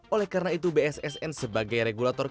oleh karena itu bssn sebagai regulator